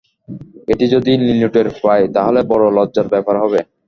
এটি যদি নীলুটের পায়, তাহলে বড় লজ্জার ব্যাপার হবে।